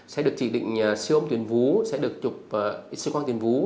sẽ được chỉ định siêu âm tuyên vú sẽ được trục xếp khoáng tuyên vú